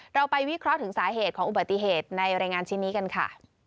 เราไปวิเคราะห์ถึงสาเหตุของอุบัติเหตุในรายงานชิ้นนี้กันค่ะ